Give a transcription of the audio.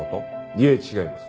いえ違います。